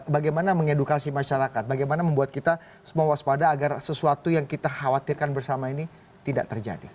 bagaimana mengedukasi masyarakat bagaimana membuat kita semua waspada agar sesuatu yang kita khawatirkan bersama ini tidak terjadi